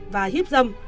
và hiếp dâm